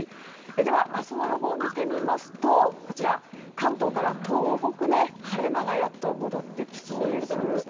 では、明日の予報を見ていますと関東から東北で晴れ間が戻ってきそうです。